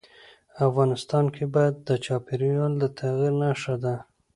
افغانستان کې بامیان د چاپېریال د تغیر نښه ده.